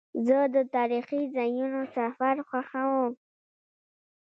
زه د تاریخي ځایونو سفر خوښوم.